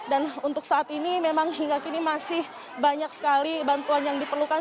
dan untuk saat ini memang hingga kini masih banyak sekali bantuan yang diperlukan